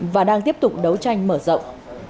và đang tiếp tục đấu tranh mở rộng